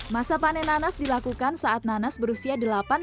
masa panen nanas dilakukan saat nanas berusia delapan tahun